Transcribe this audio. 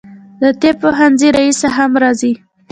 د طب پوهنځي رییسه هم راځي.